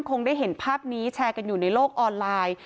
คงได้เห็นภาพนี้แชร์กันอยู่ในโลกออนไลน์